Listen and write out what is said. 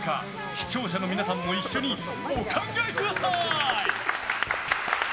視聴者の皆さんも一緒にお考えください。